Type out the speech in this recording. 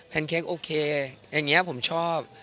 เค้กโอเคอย่างนี้ผมชอบ